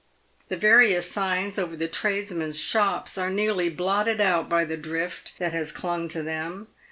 The various signs over the tradesmen's shops are nearly blotted out by the drift that has clung to them.